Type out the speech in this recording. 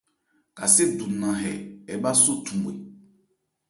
Kasé du nan hɛ ɛ bhâ só thumwe.